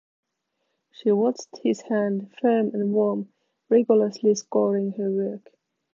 She watched his hand, firm and warm, rigorously scoring her work.